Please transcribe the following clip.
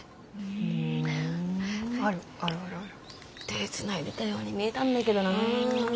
手つないでたように見えたんだけどな。